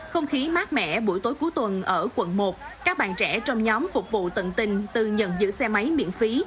không khí mát mẻ buổi tối cuối tuần ở quận một các bạn trẻ trong nhóm phục vụ tận tình từ nhận giữ xe máy miễn phí